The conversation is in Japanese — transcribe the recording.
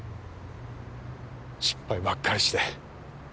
失敗ばっかりして。